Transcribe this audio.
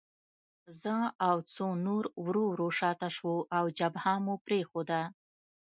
زه او څو نور ورو ورو شاته شوو او جبهه مو پرېښوده